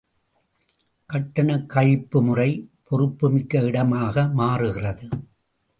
கட்டணக் கழிப்பு முறை பொறுப்பு மிக்க இடமாக மாறுகிறது.